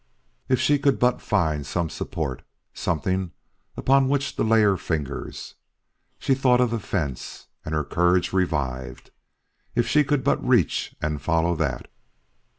If she could but find some support something upon which to lay her fingers. She thought of the fence, and her courage revived. If she could but reach and follow that!